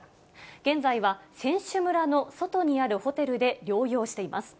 現在は選手村の外にあるホテルで療養しています。